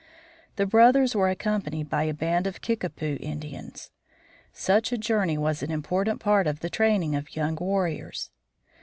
The brothers were accompanied by a band of Kickapoo Indians. Such a journey was an important part of the training of young warriors.